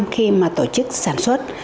khi mà tổ chức sản xuất